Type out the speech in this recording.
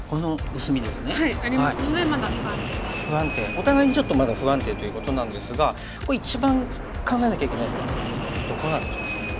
お互いにちょっとまだ不安定ということなんですがこれ一番考えなきゃいけないのはどこなんでしょうかね。